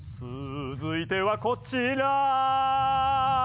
「つづいてはこちら」